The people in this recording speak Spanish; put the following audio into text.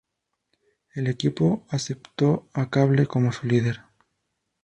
El equipo aceptó a Cable como su líder.